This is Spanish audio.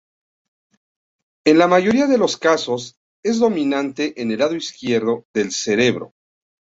En la mayoría de los casos, es dominante en el lado izquierdo del cerebro.